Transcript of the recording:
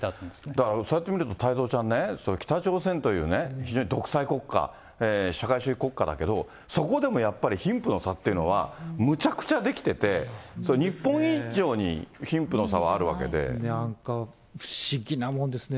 だからそうやって見ると太蔵ちゃんね、北朝鮮という非常に独裁国家、社会主義国家だけど、そこでもやっぱり貧富の差というのはむちゃくちゃできてて、なんか不思議なもんですね。